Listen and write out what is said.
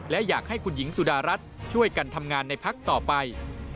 และอยากให้คุณหญิงสุดารัฐช่วยกันทำงานในพักต่อไป